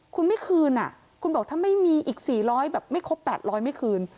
คุณไม่คืนอ่ะคุณบอกถ้าไม่มีอีกสี่ร้อยแบบไม่ครบแปดร้อยไม่คืน